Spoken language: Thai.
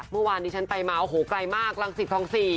เมื่อวานนี้ฉันไปมาโอ้โหไกลมากรังสิตคลอง๔